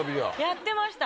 やってました